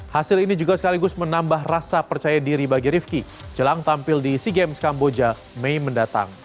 hasil ini juga sekaligus menambah rasa percaya diri bagi rivki jelang tampil di sea games kamboja mei mendatang